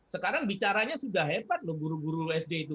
sekarang bicaranya sudah hebat loh guru guru sd itu